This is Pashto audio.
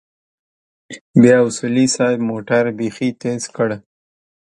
بيا اصولي صيب موټر بيخي تېز کړ.